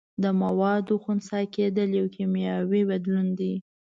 د موادو خسا کیدل یو کیمیاوي بدلون دی.